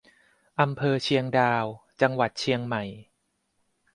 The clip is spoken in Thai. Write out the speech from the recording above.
อำเภอเชียงดาว จังหวัดเชียงใหม่